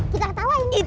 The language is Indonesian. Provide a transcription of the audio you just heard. kita tak tahu yang itu